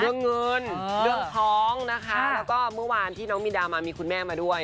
เรื่องเงินเรื่องท้องนะคะแล้วก็เมื่อวานที่น้องมินดามามีคุณแม่มาด้วย